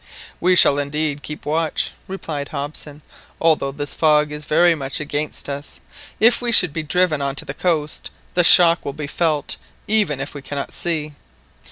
"We shall indeed keep watch," replied Hobson, "although this fog is very much against us If we should be driven on to the coast, the shock will be felt even if we cannot see.